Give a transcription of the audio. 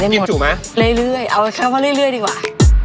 กินสู่ไหมเรื่อยเอาเข้ามาเรื่อยดีกว่า